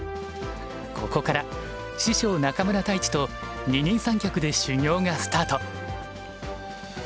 ここから師匠中村太地と二人三脚で修業がスタート。